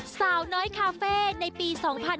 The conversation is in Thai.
สาวน้อยคาเฟ่ในปี๒๕๕๙